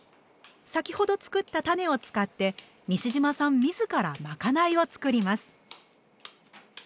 先ほど作ったたねを使って西島さん自らまかないを作ります。